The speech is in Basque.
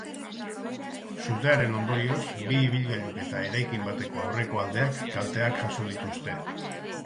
Sutearen ondorioz, bi ibilgailuk eta eraikin bateko aurreko aldeak kalteak jaso dituzte.